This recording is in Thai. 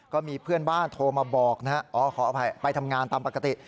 ก็มีเพื่อนบ้านโทรมาบอกนะฮะอ๋อขออภัยไปทำงานตามปกติ